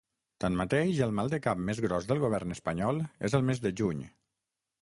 Tanmateix, el maldecap més gros del govern espanyol és el mes de juny.